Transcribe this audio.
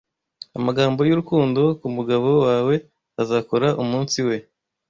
amagambo y'urukundo kumugabo wawe azakora umunsi we